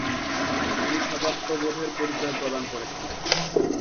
তিনি স্বাজাত্যবোধের পরিচয় প্রদান করেছেন।